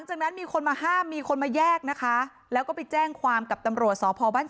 แต่จังหวะที่ผ่านหน้าบ้านของผู้หญิงคู่กรณีเห็นว่ามีรถจอดขวางทางจนรถผ่านเข้าออกลำบาก